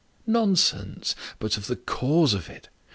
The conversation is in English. "Nonsense! but of the cause of it.